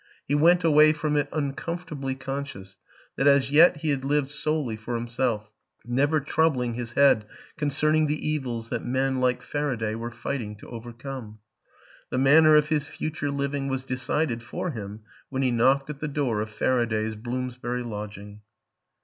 He went away from it un comfortably conscious that as yet he had lived solely for himself, never troubling his head con cerning the evils that men like Faraday were fight ing to overcome. The manner of his future living was decided for him when he knocked at the door of Faraday's Bloomsbury lodging.